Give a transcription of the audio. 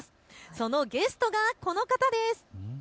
そのゲストがこの方です。